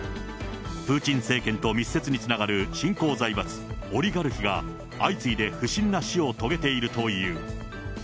プーチン政権と密接につながる新興財閥・オリガルヒが、相次いで不審な死を遂げているという。